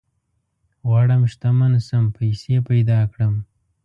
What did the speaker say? غواړم شتمن شم ، پيسي پيدا کړم